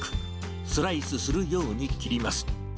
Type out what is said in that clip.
スライスするように切ります。